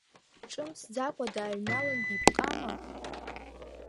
Ҿымҭӡакәа дааҩналан биԥҟама?